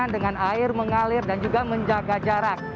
dengan air mengalir dan juga menjaga jarak